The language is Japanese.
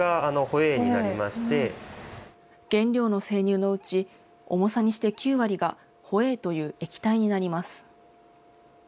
原料の生乳のうち、重さにして９割が、ホエーという液体になります。